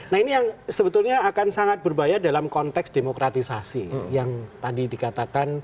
nah ini yang sebetulnya akan sangat berbahaya dalam konteks demokratisasi yang tadi dikatakan